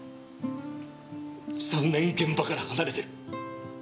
３年現場から離れてる。